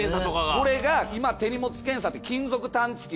これが今手荷物検査って金属探知機。